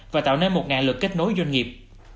và tạo nên một lượt kết nối doanh nghiệp